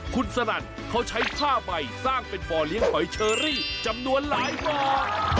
คุณสนั่นเขาใช้ผ้าใบสร้างเป็นบ่อเลี้ยงหอยเชอรี่จำนวนหลายบ่อ